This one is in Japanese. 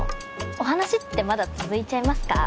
お話ってまだ続いちゃいますか？